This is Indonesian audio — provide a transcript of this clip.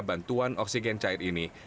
bantuan oksigen cair ini